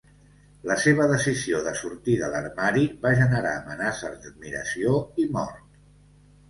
La seva decisió de sortir de l'armari va generar amenaces d'admiració i mort.